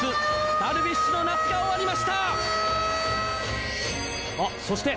ダルビッシュの夏が終わりました。